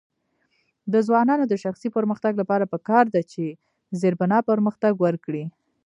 د ځوانانو د شخصي پرمختګ لپاره پکار ده چې زیربنا پرمختګ ورکړي.